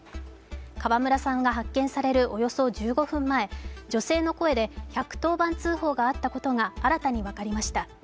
川村さんが発見されるおよそ１５分前、女性の声で１１０番通報があったことが新たに分かりました。